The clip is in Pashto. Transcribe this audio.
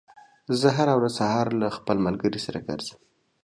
زه هره ورځ سهار له خپل ملګري سره ګرځم.